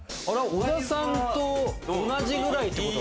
小田さんと同じくらいってこと？